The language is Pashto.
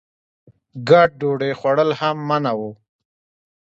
ګډ ډوډۍ خوړل هم منع وو.